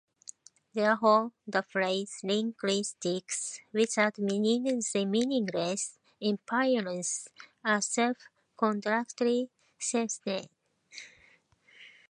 Therefore, the phrase "Linguistics without meaning is meaningless" implies a self-contradictory statement.